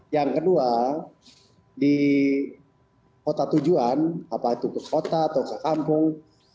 jadi kalau kita di kota tujuan apa itu ke kota atau ke kampung